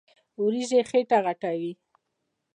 وريجې خيټه غټوي.